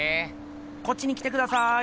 こっちに来てください。